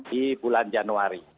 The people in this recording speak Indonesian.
di bulan januari